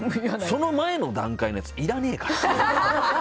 その前の段階のやついらねえからって。